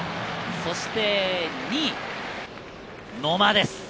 そして野間です。